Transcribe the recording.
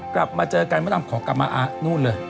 กลับมาเจอกันมะดำขอกลับมานู่นเลย